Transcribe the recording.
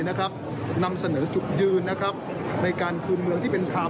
นำเสนอจุดยืนนะครับในการคุมเมืองที่เป็นข่าว